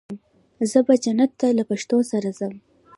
زه به جنت ته له پښتو سره ځم.